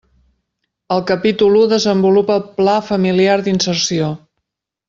El capítol u desenvolupa el pla familiar d'inserció.